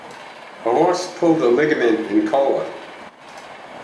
A horse pulled a ligament in cola.